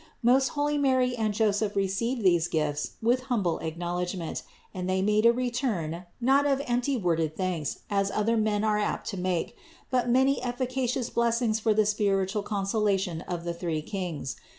Most holy Mary and Joseph received these gifts with humble acknowledgment and they made a return not of empty worded thanks, as other men are apt to make, but many efficacious blessings for the spiritual consolation of the three Kings.